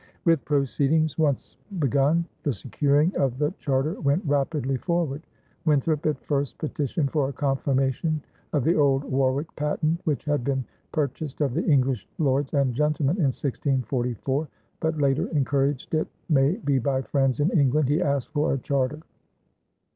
With proceedings once begun, the securing of the charter went rapidly forward. Winthrop at first petitioned for a confirmation of the old Warwick patent, which had been purchased of the English lords and gentlemen in 1644, but later, encouraged it may be by friends in England, he asked for a charter.